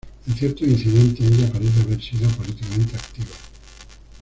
En ciertos incidentes ella parece haber sido políticamente activa.